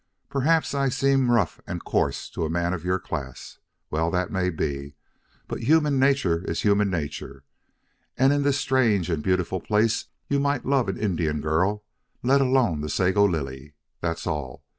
Perhaps I seem rough and coarse to a man of your class. Well, that may be. But human nature is human nature. And in this strange and beautiful place you might love an Indian girl, let alone the Sago Lily. That's all.